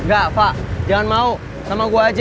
enggak pak jangan mau sama gue aja